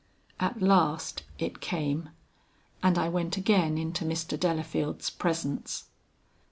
At last it came, and I went again into Mr. Delafield's presence.